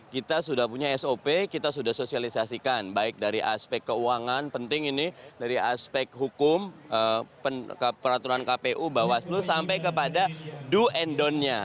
kita sudah punya sop kita sudah sosialisasikan baik dari aspek keuangan penting ini dari aspek hukum peraturan kpu bawaslu sampai kepada do and down nya